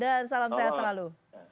dan salam sehat selalu